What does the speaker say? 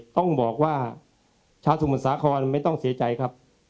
ต้องบอกว่าชาวสมุทรสาครไม่ต้องเสียใจครับ